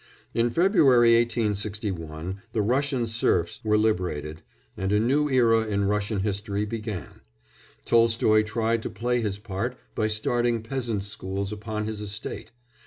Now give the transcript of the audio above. In February 1861 the Russian serfs were liberated, and a new era in Russian history began; Tolstoy tried to play his part by starting peasants' schools upon his estate.